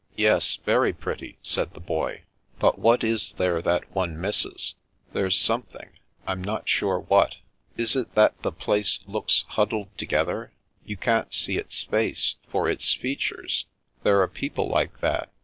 " Yes, very pretty," said the Boy. " But what is there that one misses ? There's something — I'm not sure what. Is it that the place looks huddled to gether? You can't see its face, for its features. There are people like that.